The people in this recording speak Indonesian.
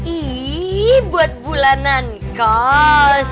iiih buat bulanan kos